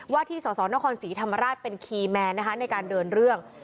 ว่าที่สสนครศรีธรรมราชเป็นคีย์แมนนะคะในการเดินเรื่อง